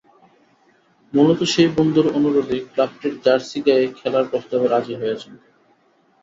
মূলত সেই বন্ধুর অনুরোধেই ক্লাবটির জার্সি গায়ে খেলার প্রস্তাবে রাজি হয়েছেন তিনি।